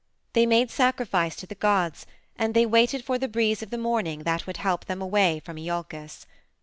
They made sacrifice to the gods and they waited for the breeze of the morning that would help them away from Iolcus.